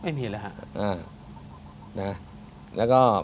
ไม่มีเลยครับ